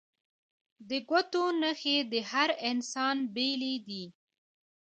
د ګوتو نښې د هر انسان بیلې دي